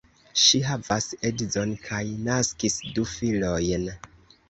Ŝi havas edzon kaj naskis du filojn.